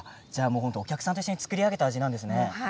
お客さんと一緒に作り上げた味なんですね。